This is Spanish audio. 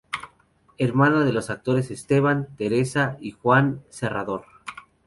Hermana de los actores Esteban, Teresa y Juan Serrador.